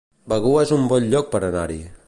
Begur es un bon lloc per anar-hi